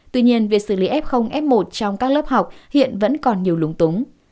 tuy nhiên việc xử lý f f một trong các lớp học hiện vẫn còn nhiều lúng túng